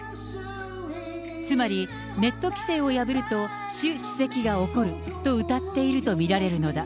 つまり、ネット規制を破ると、習主席が怒ると歌っていると見られるのだ。